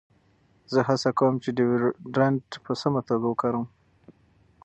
زه هڅه کوم چې ډیوډرنټ په سمه توګه وکاروم.